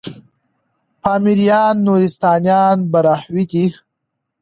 پامـــــیـــریــــان، نورســــتانــیان براهــــوی دی